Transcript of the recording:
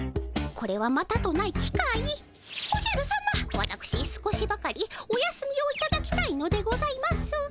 わたくし少しばかりお休みをいただきたいのでございますが。